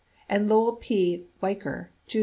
; and Lowell P. Weicker, Jr.